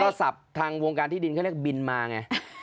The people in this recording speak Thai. ศัพท์ทางวงการที่ดินเขาเรียกบินมาไง